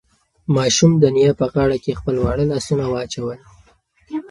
ماشوم د نیا په غاړه کې خپل واړه لاسونه واچول.